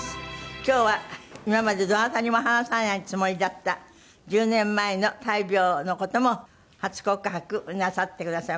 今日は今までどなたにも話さないつもりだった１０年前の大病の事も初告白なさってくださいます。